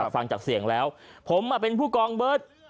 ฟังจากเสียงแล้วผมเป็นผู้กองเบิร์ต